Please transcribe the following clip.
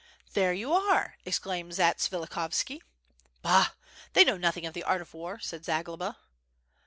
"There you are!" exclaimed Zatsvilikhovski. "Bah! they know nothing of the art of war," said Zagloba.